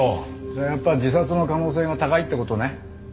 じゃあやっぱり自殺の可能性が高いって事ね。